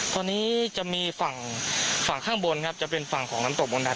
ตอนนี้จะมีฝั่งฝั่งข้างบนครับจะเป็นฝั่งของน้ำตกมนตั